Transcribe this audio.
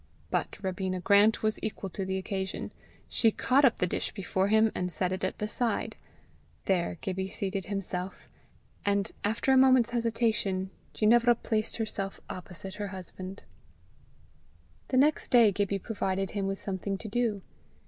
But Robina Grant was equal to the occasion. She caught up the dish before him, and set it at the side. There Gibbie seated himself; and, after a moment's hesitation, Ginevra placed herself opposite her husband. The next day Gibbie provided him with something to do.